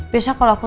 biasa kalau aku